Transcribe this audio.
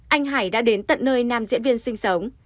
anh hải đã đến tận nơi nam diễn viên sinh sống